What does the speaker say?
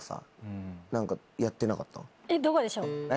えっどこでしょう？